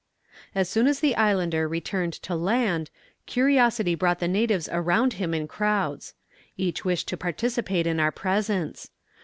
"As soon as the islander returned to land, curiosity brought the natives around him in crowds. Each wished to participate in our presents.